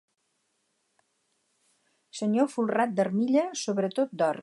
Senyor folrat d'armilla, sobretot d'or.